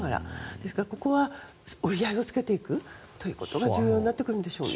ですからここは折り合いをつけていくことが重要になるんでしょうね。